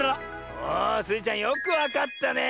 あスイちゃんよくわかったねえ。